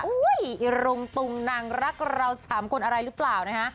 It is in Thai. อุ้ยลุงตุมนางรักเราสามคนอะไรรึเปล่านะคะ